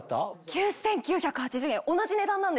９９８０円同じ値段なんですよ。